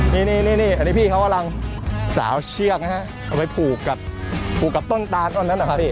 นี่อันนี้พี่เขากำลังสาวเชือกนะฮะเอาไปผูกกับผูกกับต้นตานต้นนั้นนะครับพี่